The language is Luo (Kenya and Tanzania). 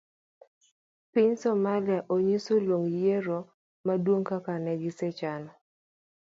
Piny somalia onyis oluong yiero maduong' kaka negisechano.